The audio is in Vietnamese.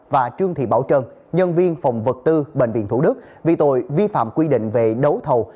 và trương thị bảo trân nhân viên phòng vật tư bệnh viện thủ đức vì tội vi phạm quy định về đấu thầu